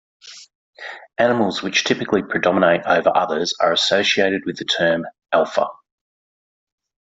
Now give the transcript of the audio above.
Animals which typically predominate over others are associated with the term "alpha".